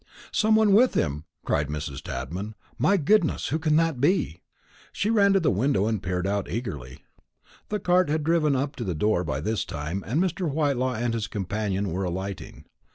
"Some one with him!" cried Mrs. Tadman. "Why, my goodness, who can that be?" She ran to the window and peered eagerly out. The cart had driven up to the door by this time, and Mr. Whitelaw and his companion were alighting.